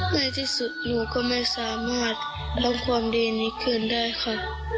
ในที่สุดหนูก็ไม่สามารถรับความดีนี้คืนได้ค่ะ